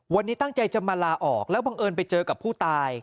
วันนี้ตั้งใจจะมาลาออกแล้วบังเอิญไปเจอกับผู้ตาย